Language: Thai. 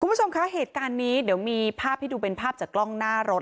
คุณผู้ชมคะเหตุการณ์นี้เดี๋ยวมีภาพให้ดูเป็นภาพจากกล้องหน้ารถ